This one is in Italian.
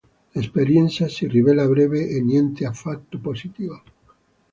L'esperienza si rivela breve e niente affatto positiva.